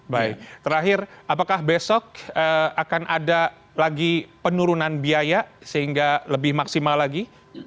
baik terakhir apakah besok akan ada lagi penurunan biaya sehingga lebih maksimal lagi